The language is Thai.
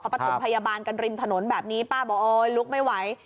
ประถมพยาบาลกันริมถนนแบบนี้ป้าบอกโอ๊ยลุกไม่ไหว